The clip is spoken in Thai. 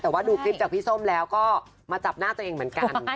แต่ว่าดูคลิปจากพี่ส้มแล้วก็มาจับหน้าตัวเองเหมือนกัน